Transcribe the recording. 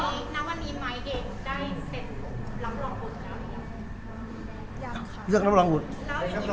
ได้เสร็จระมร่องบุสนะครับ